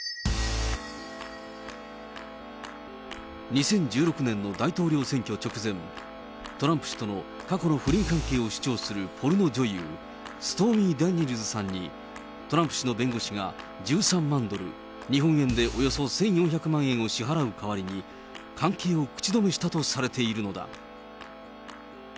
２０１６年の大統領選挙直前、トランプ氏との過去の不倫関係を主張するポルノ女優、ストーミー・ダニエルズさんに、トランプ氏の弁護士が１３万ドル、日本円でおよそ１４００万円を支払う代わりに、関係を口止めしたとされているのだ。